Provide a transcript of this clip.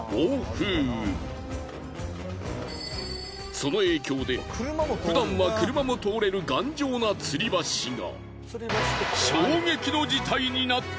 その影響でふだんは車も通れる頑丈な吊り橋が。